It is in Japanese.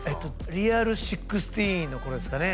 リアル１６の頃ですかね